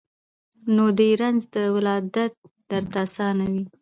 نو دي رنځ د ولادت درته آسان وي